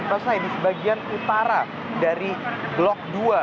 pasar ini sebagian utara dari blok dua